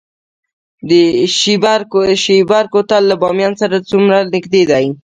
شیبر کوتل له بامیان سره څومره نږدې دی؟